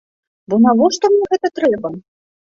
Бо навошта мне гэта трэба?